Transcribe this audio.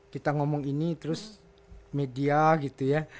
kita ngomong ini terus media gitu ya